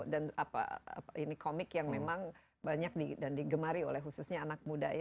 dan ini komik yang memang banyak dan digemari oleh khususnya anak mudanya